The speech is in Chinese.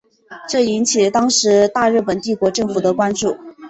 这引起了当时大日本帝国政府的关注。